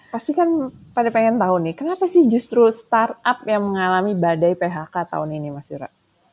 pasti kan pada pengen tahu nih kenapa sih justru startup yang mengalami badai phk tahun ini mas ira